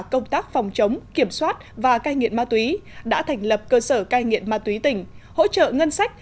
công tác phòng chống kiểm soát và cai nghiện ma túy đã thành lập cơ sở cai nghiện ma túy tỉnh hỗ trợ ngân sách